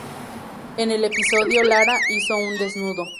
En el episodio Lara hizo un desnudo.